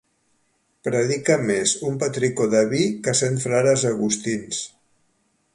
Predica més un petricó de vi que cent frares agustins.